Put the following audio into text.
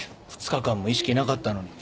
２日間も意識なかったのに。